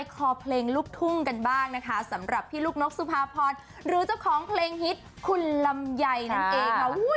คอเพลงลูกทุ่งกันบ้างนะคะสำหรับพี่ลูกนกสุภาพรหรือเจ้าของเพลงฮิตคุณลำไยนั่นเองค่ะ